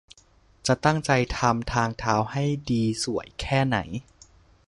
จะตั้งใจทำทางเท้าให้ดีสวยแค่ไหน